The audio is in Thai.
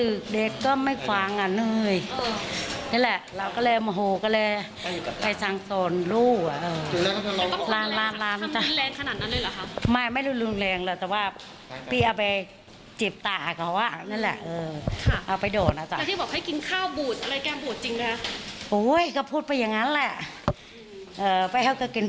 เออไปเข้าก็เก็บบุญได้ยังไง